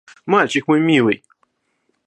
Мальчик мой милый!